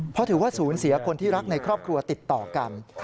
เพราะถือว่าศูนย์เสียคนที่รักในครอบครัวติดต่อกัน